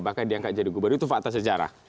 bahkan diangkat jadi gubernur itu fakta sejarah